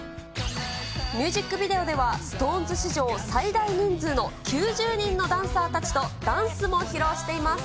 ミュージックビデオでは、ＳｉｘＴＯＮＥＳ史上、最大人数の９０人のダンサーたちとダンスも披露しています。